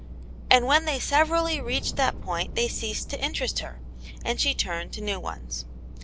And when they severally reached that point they ceased to interest her, and she turned to new ones.